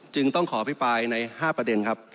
จึงต้องขอพิปลายใน๕ประเด็น